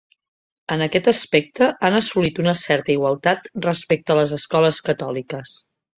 En aquest aspecte han assolit una certa igualtat respecte a les escoles catòliques.